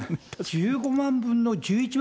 １５万分の１１万